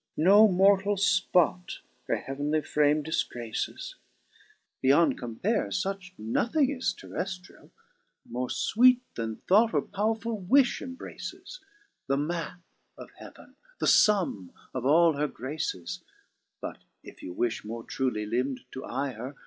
No mortall fpot her heavenly frame difgraces : Beyond compare fuch nothing is terreftrial ; More fweete than thought or pow'rfuU wifh embraces ; The map of heaven, the fumme of all her graces : But if you wifti more truly limb'd to eye her.